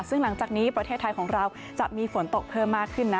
ซึ่งหลังจากนี้ประเทศไทยของเราจะมีฝนตกเพิ่มมากขึ้นนะ